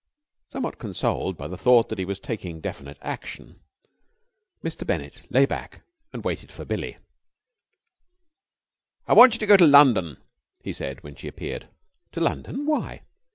Somewhat consoled by the thought that he was taking definite action, Mr. Bennett lay back and waited for Billie. "I want you to go to London," he said, when she appeared. "To London? Why?"